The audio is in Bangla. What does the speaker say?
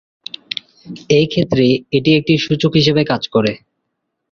এক্ষেত্রে এটি একটি সূচক হিসাবে কাজ করে।